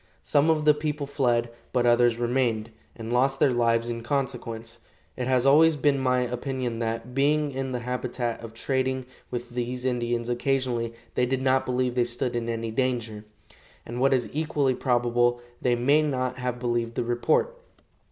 Some of the people fled, but others remained, and lost their lives in consequence. It has always been my opinion that, being in the habit of trading with these Indians occasionally, they did not believe they stood in any danger; and, what is equally probable, they may not have believed the report.